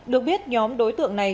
được biết nhóm đối tượng này